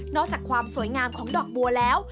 อกจากความสวยงามของดอกบัวแล้ว